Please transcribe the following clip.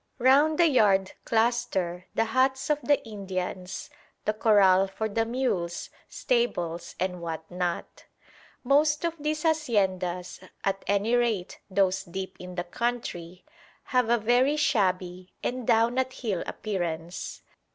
Round the yard cluster the huts of the Indians, the corral for the mules, stables and what not. Most of these haciendas, at any rate those deep in the country, have a very shabby and down at heel appearance.